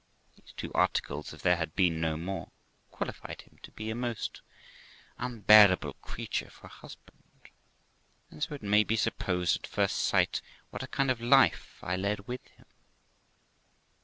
These two articles, if there had been no more, qualified him to be a most unbearable creature for a husband ; and so it may be supposed at first sight what a kind of life I led with him.